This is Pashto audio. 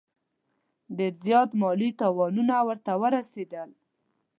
ډېر زیات مالي تاوانونه ورته ورسېدل.